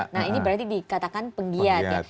nah ini berarti dikatakan penggiat ya